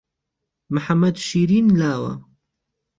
محەممەد شیرن لاوه